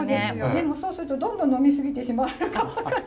でもそうするとどんどん飲み過ぎてしまうのかも。